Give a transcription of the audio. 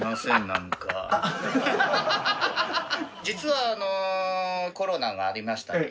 実はコロナがありました。